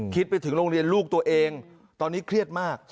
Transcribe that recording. คิดไปถึงโรงเรียนลูกตัวเองตอนนี้เครียดมาก